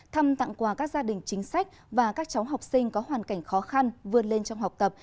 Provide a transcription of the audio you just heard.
thăm tặng quà các gia đình chính sách và các cháu học sinh có hoàn cảnh khó khăn vươn lên trong học tập